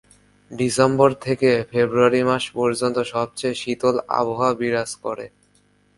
December থেকে February মাস পর্যন্ত সবচেয়ে শীতল আবহাওয়া বিরাজ করে।